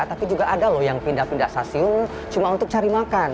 tapi juga ada loh yang pindah pindah stasiun cuma untuk cari makan